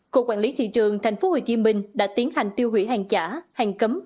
cục quản lý thị trường tp hcm đã tiến hành tiêu hủy hàng giả hàng cấm